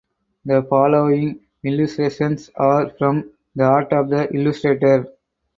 The following illustrations are from "The Art of the Illustrator".